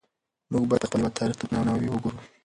موږ باید د خپل هېواد تاریخ ته په درناوي وګورو.